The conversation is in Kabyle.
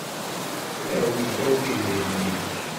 Awi-d akk idrimen-ik!